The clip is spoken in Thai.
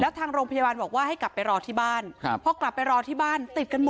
แล้วทางโรงพยาบาลบอกว่าให้กลับไปรอที่บ้านครับ